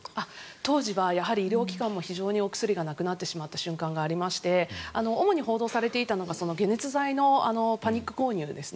当時はやはり医療機関も非常にお薬がなくなってしまった瞬間がありまして主に報道されていたのが解熱剤のパニック購入ですね。